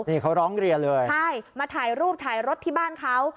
นี่เขาร้องเรียนเลยใช่มาถ่ายรูปถ่ายรถที่บ้านเขา